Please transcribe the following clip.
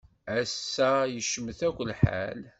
Ass-a yecmet akk lḥal.